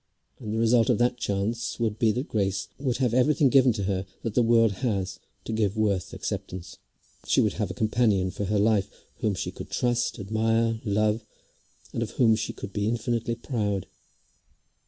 And the result of that chance would be that Grace would have everything given to her that the world has to give worth acceptance. She would have a companion for her life whom she could trust, admire, love, and of whom she could be infinitely proud.